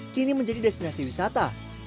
kini menjadi destinasi wisata